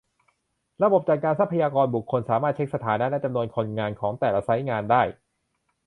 ระบบจัดการทรัพยากรบุคคล สามารถเช็คสถานะและจำนวนคนงานของแต่ละไซต์งานได้